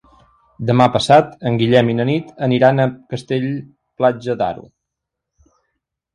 Demà passat en Guillem i na Nit aniran a Castell-Platja d'Aro.